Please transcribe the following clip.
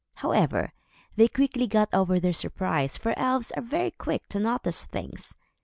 However, they quickly got over their surprise, for elves are very quick to notice things.